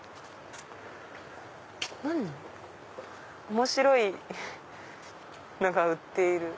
面白いものが売っている。